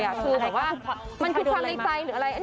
คือคือแบบว่ามันคิดคำในใจหรืออะไร